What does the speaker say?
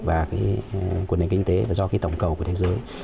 và quần hành kinh tế và do tổng cầu của thế giới